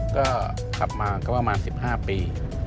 ก็ขับมาก็ประมาณ๑๕ปี